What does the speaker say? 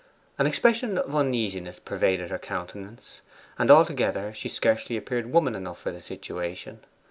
An expression of uneasiness pervaded her countenance; and altogether she scarcely appeared woman enough for the situation.